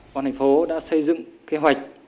công an thành phố đã xây dựng kế hoạch